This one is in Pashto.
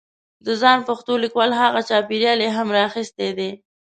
د ځان پېښو لیکوال هغه چاپېریال یې هم را اخستی دی